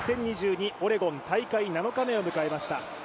オレゴン大会７日目を迎えました。